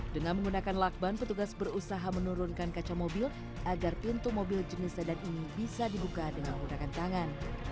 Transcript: dengan menggunakan lakban petugas berusaha menurunkan kaca mobil agar pintu mobil jenis sedan ini bisa dibuka dengan menggunakan tangan